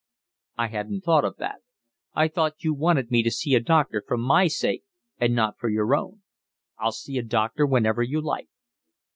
"I hadn't thought of that. I thought you wanted me to see a doctor for my sake and not for your own. I'll see a doctor whenever you like."